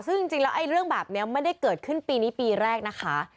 ซึ่งจริงแล้วเรื่องแบบนี้ไม่ได้เกิดขึ้นปีนี้ปีแรกนะคะ